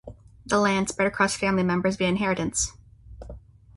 The land spread across family members via inheritance.